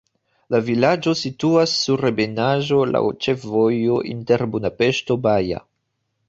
La vilaĝo situas sur ebenaĵo, laŭ ĉefvojo inter Budapeŝto-Baja.